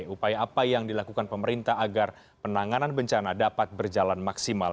upaya apa yang dilakukan pemerintah agar penanganan bencana dapat berjalan maksimal